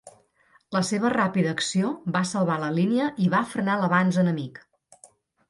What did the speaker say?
La seva ràpida acció va salvar la línia i va frenar l'avanç enemic.